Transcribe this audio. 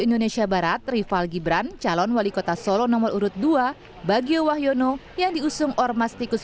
indonesia barat rival gibran calon wali kota solo nomor urut dua bagio wahyono yang diusung ormas tikus